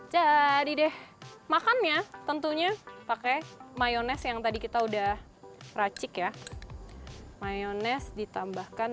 jadi deh makannya tentunya pakai mayonese yang tadi kita udah racik ya mayonese ditambahkan